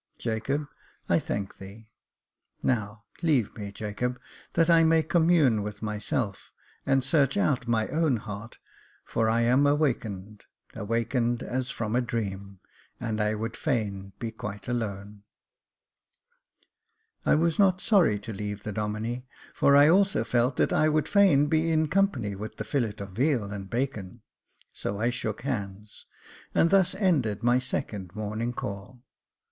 Jacob, I thank thee ! Now leave me, Jacob, that I may commune with myself, and search out my own heart, for I am awakened — awakened as from a dream, and I would fain be quite alone." I was not sorry to leave the Domine, for I also felt that I would fain be in company with the fillet of veal and bacon, so I shook hands, and thus ended my second morning call.